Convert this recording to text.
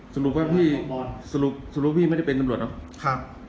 สรุปพี่ไม่ได้เป็นตำรวจ